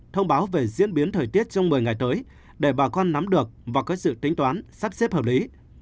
thông báo về diễn biến thời tiết trong một mươi ngày tới để bà con nắm được và có sự tính toán sắp xếp hợp lý